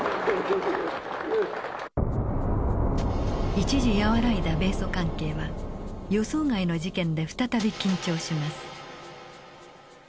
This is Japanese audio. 一時和らいだ米ソ関係は予想外の事件で再び緊張します。